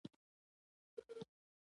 که منلې شل کلنه مي سزا وای